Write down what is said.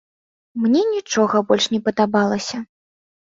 Мне нічога больш не падабалася.